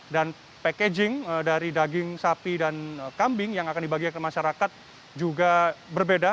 dan packaging dari daging sapi dan kambing yang akan dibagi ke masyarakat juga berbeda